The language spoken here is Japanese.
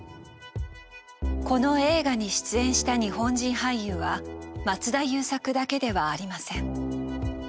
この映画に出演した日本人俳優は松田優作だけではありません。